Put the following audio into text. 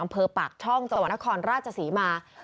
อำเภอปากช่องสวนครรภ์ราชสีมา